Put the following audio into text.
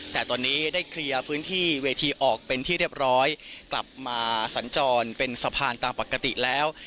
แต่ตอนนี้ได้เคลียร์พื้นที่เวทีออกเป็นที่เรียบร้อยกลับมาสัญจรเป็นสะพานตามปกติแล้ว